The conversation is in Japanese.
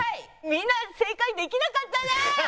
みんな正解できなかったな！